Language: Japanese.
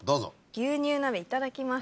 牛乳鍋いただきます。